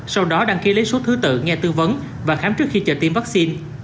sau đó đăng ký lấy số thứ tự nghe tư vấn và khám trước khi chờ tiêm vaccine